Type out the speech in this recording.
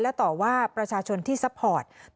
และต่อว่าประชาชนที่ซัพพอร์ต